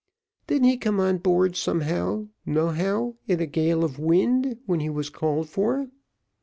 Didn't he come on board some how no how in a gale of wind when he was called for?